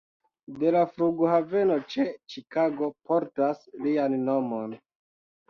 De la flughaveno ĉe Ĉikago portas lian nomon.